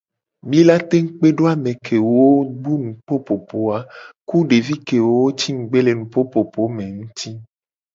Mi la tengu kpe do ame kewo bu nupopopo a nguti ku devi kewo ci ngugbe le nupopopo me a.